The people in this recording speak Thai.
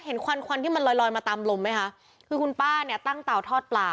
ควันควันที่มันลอยลอยมาตามลมไหมคะคือคุณป้าเนี่ยตั้งเตาทอดปลา